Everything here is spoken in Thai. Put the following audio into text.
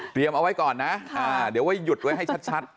เตรียมเอาไว้ก่อนนะเดี๋ยวว่ายุดไว้ให้ชัด